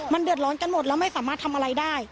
มันเดือดร้อนกันหมดแล้วไม่สามารถทำอะไรได้